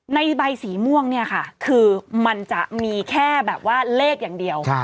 ในใบสีม่วงเนี่ยค่ะคือมันจะมีแค่แบบว่าเลขอย่างเดียว